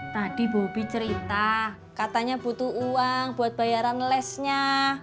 tadi bobi cerita katanya butuh uang buat bayaran lesnya